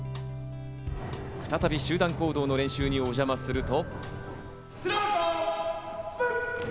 再び集団行動の練習にお邪魔すると。